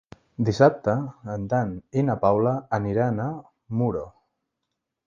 Dissabte en Dan i na Paula aniran a Muro.